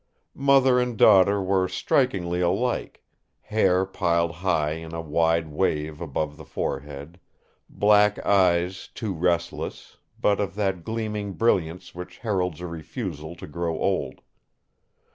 Mother and daughter were strikingly alike hair piled high in a wide wave above the forehead; black eyes too restless, but of that gleaming brilliance which heralds a refusal to grow old.